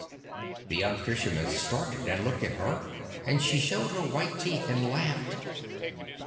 The young Fisherman started and looked at her, and she showed her white teeth and laughed.